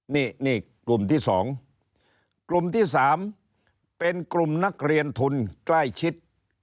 นี่นี่กลุ่มที่๒กลุ่มที่๓เป็นกลุ่มนักเรียนทุนใกล้ชิด